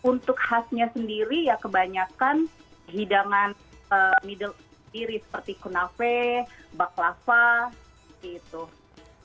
jadi untuk khasnya sendiri ya kebanyakan hidangan middle east sendiri seperti kunave baklava gitu